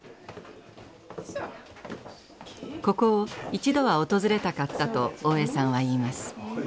ここを一度は訪れたかったと大江さんは言います。